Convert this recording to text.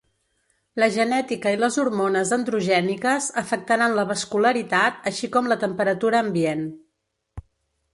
La genètica i les hormones androgèniques afectaran la vascularitat, així com la temperatura ambient.